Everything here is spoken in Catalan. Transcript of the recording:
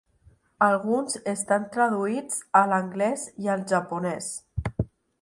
Alguns estan traduïts a l'anglès i al japonès.